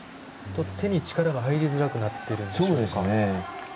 手に力が入りづらくなっているんでしょうか。